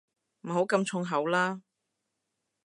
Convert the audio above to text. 唔好咁重口啦